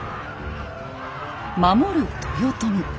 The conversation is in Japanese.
守る豊臣。